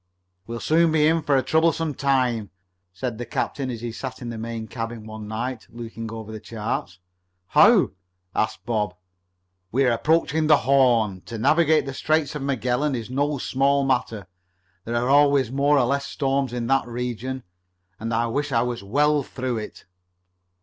"We'll soon be in for a troublesome time," said the captain as he sat in the main cabin one night, looking over some charts. "How?" asked Bob. "We're approaching the Horn. To navigate the Straits of Magellan is no small matter. There are always more or less storms in that region, and I wish I was well through it."